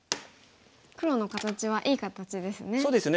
黒の形はいい形ですね。